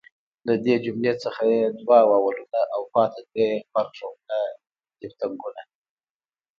له دې جملې څخه ئې دوه واولونه او پاته درې ئې غبرګ ږغونه دیفتونګونه